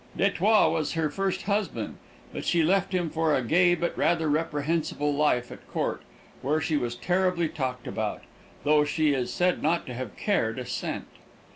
D'Etioles was her first husband, but she left him for a gay but rather reprehensible life at court, where she was terribly talked about, though she is said not to have cared a cent.